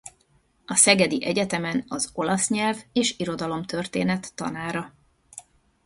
A szegedi egyetemen az olasz nyelv és irodalomtörténet tanára.